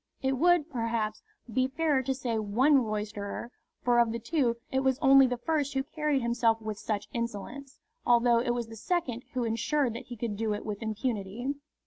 It would, perhaps, be fairer to say one roisterer; for of the two it was only the first who carried himself with such insolence, although it was the second who ensured that he could do it with impunity.